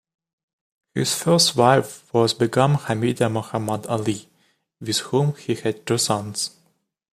His first wife was Begum Hamida Mohammad Ali, with whom he had two sons.